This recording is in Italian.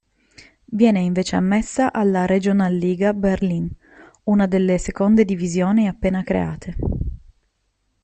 Viene invece ammessa alla Regionalliga Berlin, una delle seconde divisioni appena create.